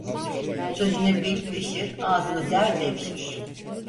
Sözünü bil, pişir; ağzını der, devşir.